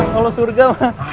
kalau surga mah